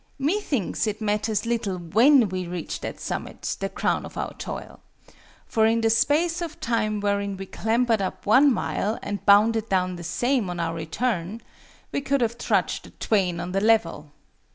Methinks it matters little when we reached that summit, the crown of our toil. For in the space of time wherein we clambered up one mile and bounded down the same on our return, we could have trudged the twain on the level.